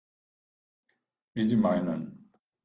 Wie Sie meinen.